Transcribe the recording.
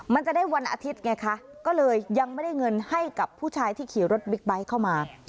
มันจะได้วันอาทิตย์ไงคะก็เลยยังไม่ได้เงินให้กับผู้ชายที่ขี่รถบิ๊กไบท์เข้ามา